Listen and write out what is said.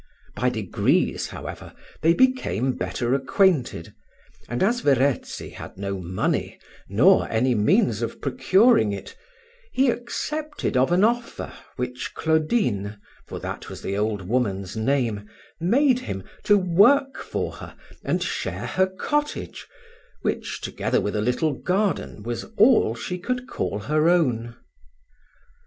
By degrees, however, they became better acquainted; and as Verezzi had no money, nor any means of procuring it, he accepted of an offer which Claudine (for that was the old woman's name) made him, to work for her, and share her cottage, which, together with a little garden, was all she could call her own.